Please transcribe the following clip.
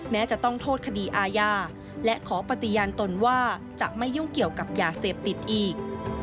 แม้จะต้องโทษคดีอาญาและขอปฏิญาณตนว่าจะไม่ยุ่งเกี่ยวกับยาเสพติดอีก